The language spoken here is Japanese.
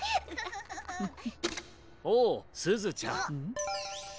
おおすずちゃん。